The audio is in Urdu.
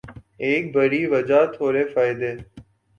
ایک بڑِی وجہ تھوڑے فائدے